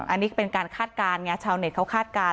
อันนี้เป็นการคาดการณ์เนี้ยชาวเน็ตเค้าคาดการณ์